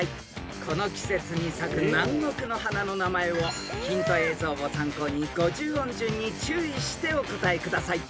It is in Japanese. ［この季節に咲く南国の花の名前をヒント映像を参考に五十音順に注意してお答えください］